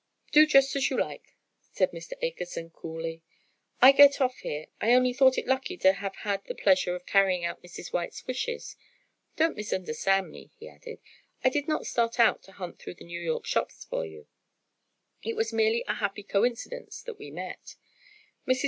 "Do just as you like," said Mr. Akerson, coolly, "I get off here. I only thought it lucky to have had the pleasure of carrying out Mrs. White's wishes. Don't misunderstand me," he added, "I did not start out to hunt through the New York shops for you, it was merely a happy coincidence that we met. Mrs.